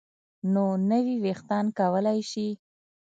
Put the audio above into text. نو نوي ویښتان کولی شي